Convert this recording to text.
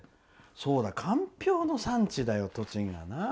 そうだ、かんぴょうの産地だよ栃木はな。